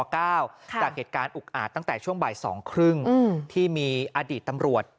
จากเหตุการณ์อุกอาจตั้งแต่ช่วงบ่าย๒๓๐ที่มีอดีตตำรวจ